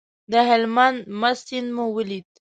د هلمند مست سیند مو ولید.